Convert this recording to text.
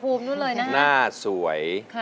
กลับมาเมื่อเวลาที่สุดท้าย